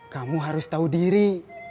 kamu harus tahu diri